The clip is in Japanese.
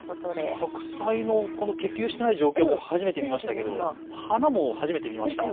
白菜の結球してない状況、初めて見ましたが花も初めて見ました。